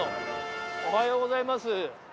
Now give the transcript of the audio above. おはようございます。